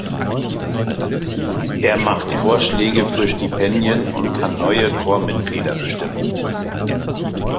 Er macht Vorschläge für Stipendien und kann neue Chormitglieder bestimmen.